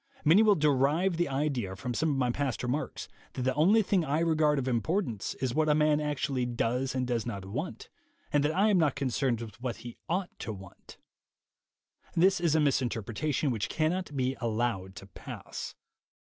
Many will derive the idea from some of my past remarks that the only thing I regard of importance is what a man actually does and does not want, and that I am not concerned with what he ought to want. This is a misinter pretation which cannot be allowed to pass.